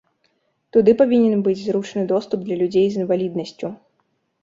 Туды павінен быць зручны доступ для людзей з інваліднасцю.